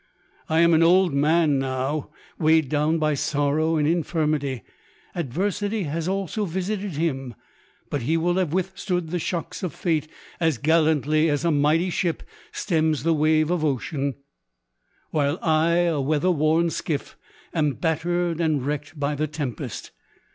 I am an old man now, weighed down by sorrow and infirmity. Ad \ i Tsity has also visited him ; but lie will have withstood the shocks of fate, as gallantly as a mighty ship stems the waves of ocean : while I, a weather worn skiff, am battered and wrecked by the tempest.